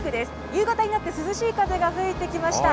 夕方になって、涼しい風が吹いてきました。